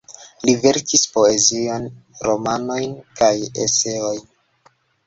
Li verkis poezion, romanojn kaj eseojn.